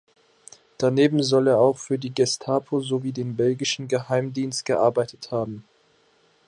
Daneben soll er auch für die Gestapo sowie den belgischen Geheimdienst gearbeitet haben.